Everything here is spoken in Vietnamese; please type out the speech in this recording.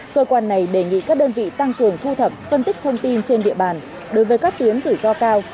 cơ quan này đề nghị các đơn vị tăng cường thu thập phân tích thông tin trên địa bàn đối với các tuyến rủi ro cao